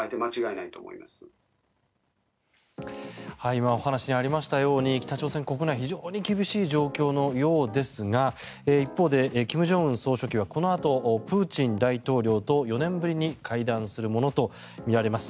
今、お話にありましたように北朝鮮国内非常に厳しい状況のようですが一方で金正恩総書記はこのあとプーチン大統領と４年ぶりに会談するものとみられます。